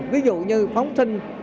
ví dụ như phóng sinh